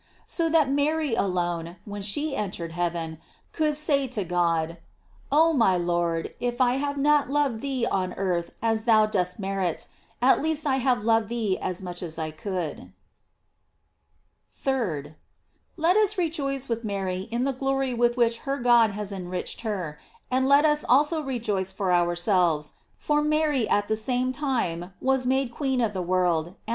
So that Mary alone, when she entered heaven, could say to God: Oh my Lord, if I have not loved thee on earth as thou dost merit, at least I have loved thee as much as I could. 3d. Let us rejoice with Mary in the glory with which her God has enriched her; and let us also rejoice for ourselves, for Mary, at the same time was made queen of the world, and * Exaltata est sancta Dei genitrix super chores angelorum ad eceiaetift regna.